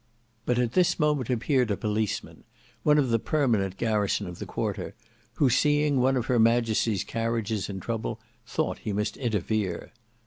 But at this moment appeared a policeman, one of the permanent garrison of the quarter, who seeing one of her Majesty's carriages in trouble thought he must interfere.